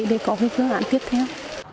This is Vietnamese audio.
để có hướng dẫn hạn tiếp theo